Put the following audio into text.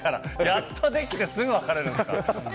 やっと出来てすぐ別れるんですか。